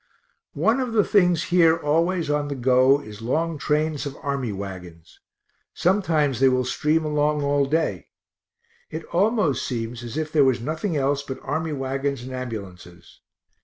One of the things here always on the go is long trains of army wagons sometimes they will stream along all day; it almost seems as if there was nothing else but army wagons and ambulances.